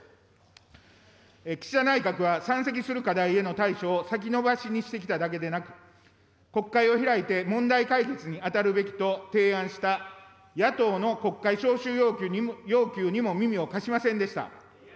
岸田内閣は山積する課題への対処を先延ばしにしてきただけでなく、国会を開いて問題解決に当たるべきと提案した野党の国会召集要求にも耳を貸しませんでした。